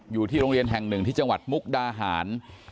อยู่ที่โรงเรียนแห่งหนึ่งที่จังหวัดมุกดาหาร